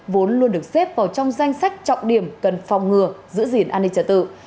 vốn luôn được xếp vào trong danh sách trọng điểm cần phòng ngừa giữ gìn an ninh trả tự